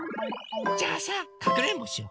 じゃあさかくれんぼしよ。